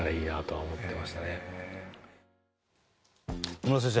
野村先生